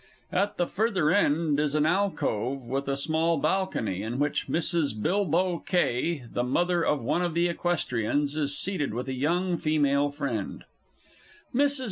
At the further end is an alcove, with a small balcony, in which_ MRS. BILBOW KAY, the Mother of one of the Equestrians, is seated with a young female Friend. MRS.